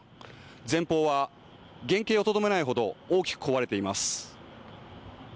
前方は原形をとどめないほど大きく壊れています。